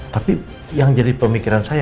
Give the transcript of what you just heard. tapi yang jadi pemikiran saya